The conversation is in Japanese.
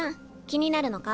気になるのか？